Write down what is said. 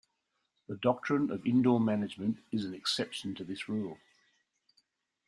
The doctrine of indoor management is an exception to this rule.